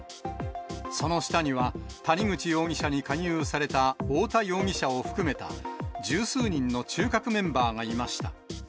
その下には、谷口容疑者に勧誘された太田容疑者を含めた、十数人の中核メンバーがいました。